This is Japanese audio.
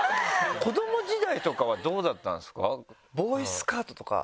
子ども時代とかはどうだったんですか？